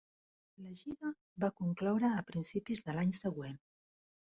La gira va concloure a principis de l'any següent.